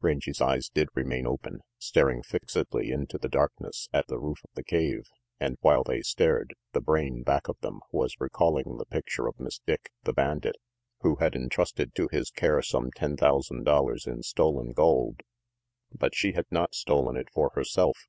Rangy's eyes did remain open, staring fixedly into the darkness at the roof of the cave, and while they stared, the brain back of them was recalling the picture of Miss Dick, the bandit, who had entrusted RANGY PETE 391 to his care some ten thousand dollars in stolen gold. But she had not stolen it for herself!